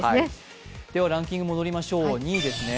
ランキング戻りましょう、２位ですね。